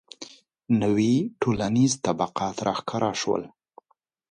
• نوي ټولنیز طبقات راښکاره شول.